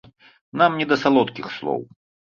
Нам не да салодкіх слоў.